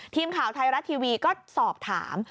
ทีมข่าวไทยรัฐทีวีก็สอบถาม